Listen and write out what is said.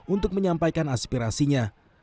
untuk menyampaikan aspirasinya